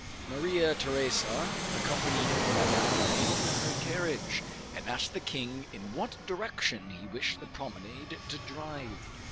Maria Theresa accompanied Madame in her carriage, and asked the king in what direction he wished the promenade to drive.